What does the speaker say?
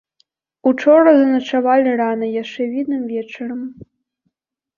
Учора заначавалі рана, яшчэ відным вечарам.